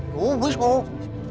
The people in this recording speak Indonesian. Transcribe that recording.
oh bagus pak